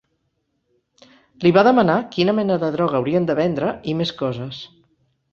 Li va demanar quina mena de droga haurien de vendre, i més coses.